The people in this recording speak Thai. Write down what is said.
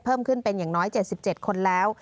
เพิ่มขึ้นเป็นอย่างน้อย๗๗คนแล้ว